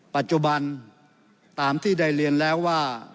ปัจจุบันตามที่ได้เรียนแล้วว่า